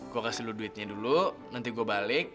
gue kasih dulu duitnya dulu nanti gue balik